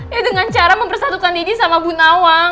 ya dengan cara mempersatukan diri sama bu nawang